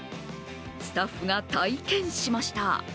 スタッフが体験しました。